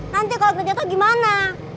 nanti kalau kena jatuh gimana